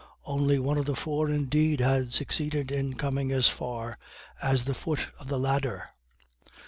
Only one of the four, indeed, had succeeded in coming as far as the foot of the ladder.